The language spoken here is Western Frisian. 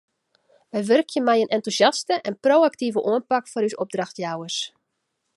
Wy wurkje mei in entûsjaste en pro-aktive oanpak foar ús opdrachtjouwers.